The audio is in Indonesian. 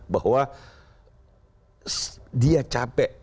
bahwa dia capek